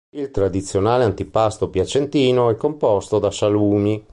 Il tradizionale antipasto piacentino è composto da salumi.